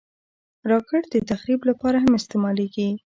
راکټ د تخریب لپاره هم استعمالېږي